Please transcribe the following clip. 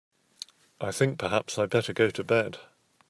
I think perhaps I'd better go to bed.